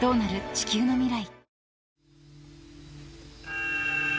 地球の未来］